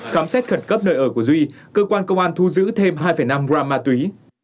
khám xét khẩn cấp nơi ở của duy cơ quan công an thu giữ thêm hai năm gram ma túy